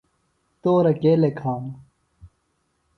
تورہ کے لیکھانوۡ؟